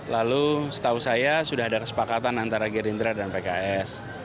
lalu setahu saya sudah ada kesepakatan antara gerindra dan pks